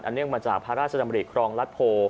อันเนิ่งมาจากพระราชทะเลมลีรัทโพ